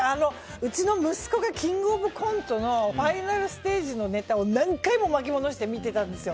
うちの息子が「キングオブコント」のファイナルステージのネタを何回も巻き戻して見てたんですよ。